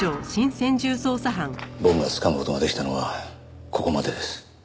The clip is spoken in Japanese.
僕がつかむ事ができたのはここまでです。